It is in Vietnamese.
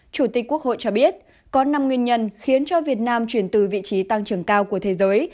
chủ tịch quốc hội cho biết có năm nguyên nhân khiến cho việt nam chuyển từ vị trí tăng trưởng cao của thế giới